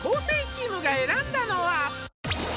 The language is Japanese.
生チームが選んだのは？